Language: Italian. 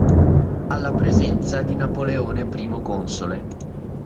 Alla presenza di Napoleone Primo Console.